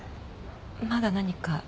まだ何か？